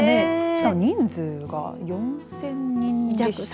しかも人数が、４０００人弱。